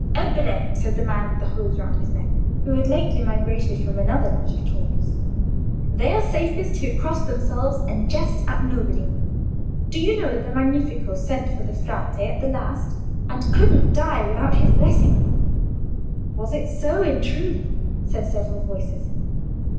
"Ebbene" said the man with the hose round his neck, who had lately migrated from another knot of talkers, "they are safest who cross themselves and jest at nobody. Do you know that the Magnifico sent for the Frate at the last, and couldn't die without his blessing?" "Was it so—in truth?" said several voices.